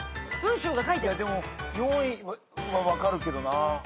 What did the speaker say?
いやでも４位は分かるけどな。